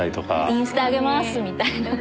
インスタ上げますみたいな。